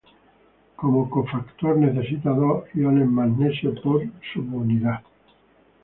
Como cofactor necesita dos iones magnesio por subunidad.